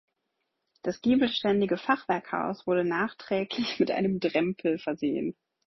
Das giebelständige Fachwerkhaus wurde nachträglich mit einem Drempel versehen.